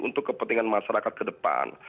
untuk kepentingan masyarakat ke depan